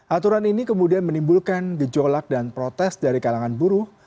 aturan ini kemudian menimbulkan gejolak dan protes dari kalangan buruh